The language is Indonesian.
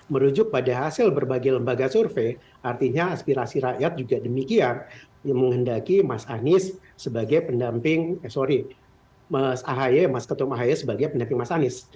mendaki mas anies sebagai pendamping eh sorry mas ahy mas ketum ahy sebagai pendamping mas anies